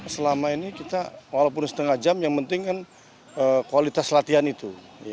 selama ini kita walaupun setengah jam yang penting kan kualitas latihan itu